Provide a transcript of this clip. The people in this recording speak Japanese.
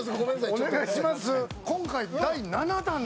お願いします。